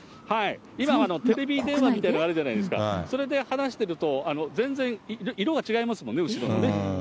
今、テレビ電話ってあるじゃないですか、それで話してると、全然色が違いますもんね、後ろのね。